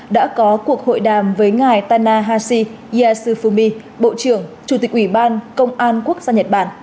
đã có cuộc hội đàm với ngài tanahashi yasufumi bộ trưởng chủ tịch ủy ban công an quốc gia nhật bản